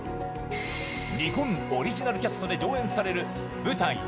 日本オリジナルキャストで上演される舞台